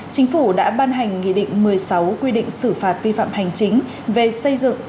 chính phủ đã ban hành nghị định một mươi sáu quy định xử phạt vi phạm hành chính về xây dựng